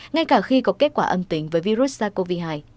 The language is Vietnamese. ngay cả khi có kết quả âm tính với virus sars cov hai